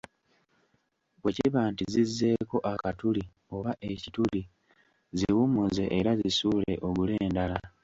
Bwe kiba nti zizzeeko akatuli oba ekituli ziwummuze era zisuule ogule endala.